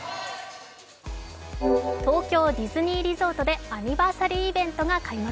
東京ディズニーリゾートでアニバーサリーイベントが開幕。